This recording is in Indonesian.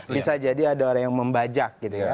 bisa jadi ada orang yang membajak gitu ya